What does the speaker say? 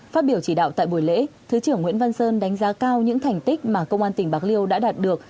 phát biểu chỉ đạo tại buổi lễ thứ trưởng nguyễn văn sơn đánh giá cao những thành tích mà công an tỉnh bạc liêu đã đạt được